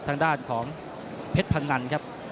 ทางด้านของเพชรพงันครับ